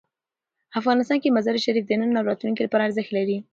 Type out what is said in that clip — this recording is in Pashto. افغانستان کې مزارشریف د نن او راتلونکي لپاره ارزښت لري.